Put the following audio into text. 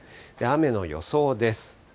雨の予想です。